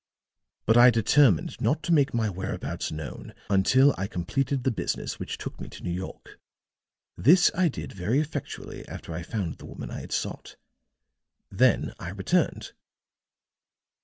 But I determined not to make my whereabouts known until I completed the business which took me to New York. This I did very effectually after I found the woman I had sought; then I returned."